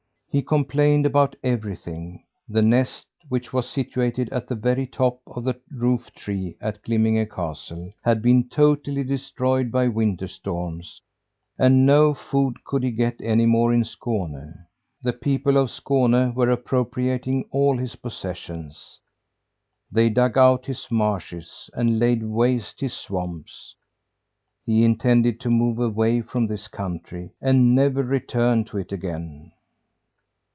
He complained about everything: the nest which was situated at the very top of the roof tree at Glimminge castle had been totally destroyed by winter storms; and no food could he get any more in Skåne. The people of Skåne were appropriating all his possessions. They dug out his marshes and laid waste his swamps. He intended to move away from this country, and never return to it again.